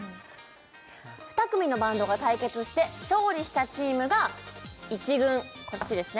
２組のバンドが対決して勝利したチームが１軍こっちですね